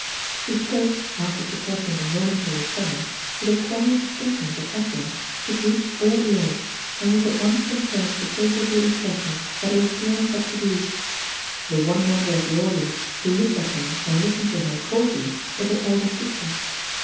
She spoke—after suppressing a momentary tremor—with a quiet distinctness of utterance which reached all ears, and which at once confirmed the favorable impression that her appearance had produced. The one member of the audience who looked at her and listened to her coldly, was her elder sister.